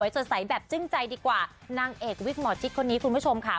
สดใสแบบจึ้งใจดีกว่านางเอกวิกหมอชิดคนนี้คุณผู้ชมค่ะ